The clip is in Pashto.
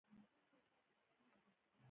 کېبل مو خوښ دی.